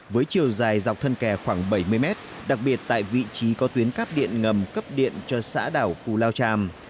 với chiều dài dọc thân kè khoảng bảy mươi mét đặc biệt tại vị trí có tuyến cắp điện ngầm cấp điện cho xã đảo cù lao tràm